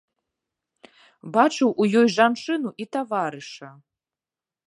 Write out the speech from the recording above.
Бачыў у ёй жанчыну і таварыша.